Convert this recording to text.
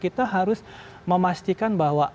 kita harus memastikan bahwa